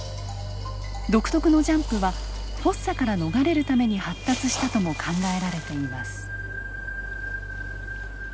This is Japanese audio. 独特のジャンプはフォッサから逃れるために発達したとも考えられています。